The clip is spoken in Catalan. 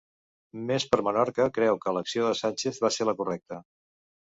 Més per Menorca creu que l'acció de Sánchez va ser la correcta